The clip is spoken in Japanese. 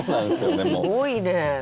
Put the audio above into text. すごいね。